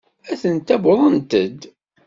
Atent-a wwḍent-d.